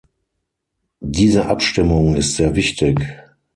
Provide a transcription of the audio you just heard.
Diese Abstimmung ist sehr wichtig.